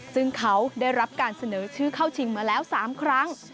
ซึ่งเขาได้รับการเสนอชื่อเข้าชิงมาแล้ว๓ครั้ง